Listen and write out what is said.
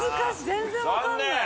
全然分かんない。